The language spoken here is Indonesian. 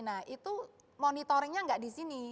nah itu monitoringnya tidak disini